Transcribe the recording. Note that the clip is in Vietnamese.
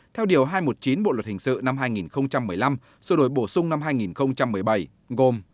theo điều hai trăm một mươi chín bộ luật hình sự năm hai nghìn một mươi năm sự đổi bổ sung năm hai nghìn một mươi bảy gồm